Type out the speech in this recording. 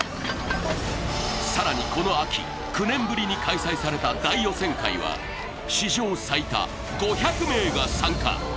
更にこの秋、９年ぶりに開催された大予選会は史上最多、５００名が参加。